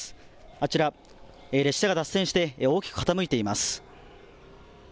あちら、列車が脱線して大きく傾いています。